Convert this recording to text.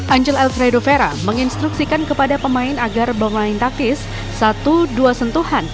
angel alfredo vera menginstruksikan kepada pemain agar bong lain taktis satu dua sentuhan